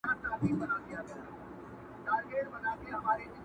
o اوس په خوب کي هره شپه زه خوبان وینم,